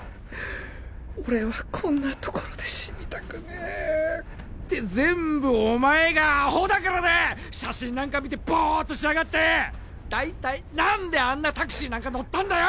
俺はこんなところで死にたくねえて全部お前がアホだからだ写真なんか見てボーッとしやがって大体何であんなタクシーなんか乗ったんだよ